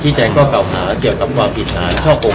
พี่แจงในประเด็นที่เกี่ยวข้องกับความผิดที่ถูกเกาหา